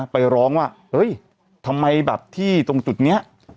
ไปร้องว่าเฮ้ยทำไมแบบที่ตรงจุดนี้